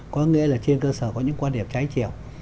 có nghĩa là trên cơ sở có những quan điểm trái chiều